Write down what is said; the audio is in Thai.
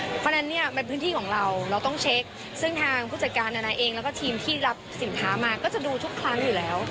เพราะฉะนั้นเนี่ยเป็นพื้นที่ของเราเราต้องเช็คซึ่งทางผู้จัดการนานาเองแล้วก็ทีมที่รับสินค้ามาก็จะดูทุกครั้งอยู่แล้ว